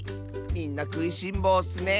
みんなくいしんぼうッスね！